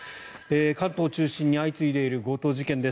関東を中心に相次いでいる強盗事件です。